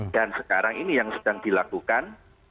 dan sekarang ini yang sedang dilakukan